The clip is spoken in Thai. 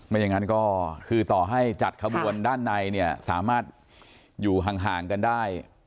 อย่างนั้นก็คือต่อให้จัดขบวนด้านในเนี่ยสามารถอยู่ห่างกันได้